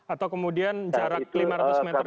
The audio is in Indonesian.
atau kemudian jarak lima ratus meter dari sungai